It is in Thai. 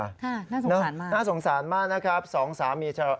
ค่ะน่าสงสารมากนะครับสองสามี